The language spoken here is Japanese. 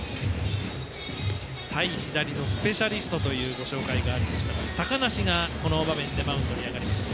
対左のスペシャリストというご紹介がありました高梨がこの場面でマウンドに上がります。